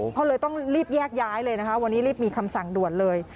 ก็เลยต้องรีบแยกย้ายเลยนะคะวันนี้รีบมีคำสั่งด่วนเลย